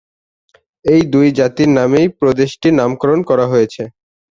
এই দুই জাতির নামেই প্রদেশটির নামকরণ করা হয়েছে।